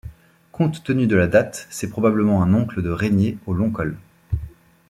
Compte tenu de la date, c'est probablement un oncle de Régnier au long col.